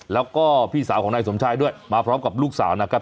แล้วก็พี่สาวของนายสมชายด้วยมาพร้อมกับลูกสาวนะครับ